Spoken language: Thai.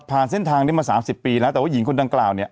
เส้นทางนี้มา๓๐ปีแล้วแต่ว่าหญิงคนดังกล่าวเนี่ย